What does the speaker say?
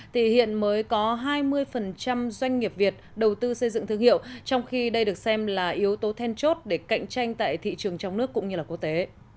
thì hiện mới có hai mươi doanh nghiệp việt đầu tư xây dựng thương hiệu trong khi đây được xem là yếu tố then chốt để cạnh tranh tại thị trường trong nước cũng như là quốc tế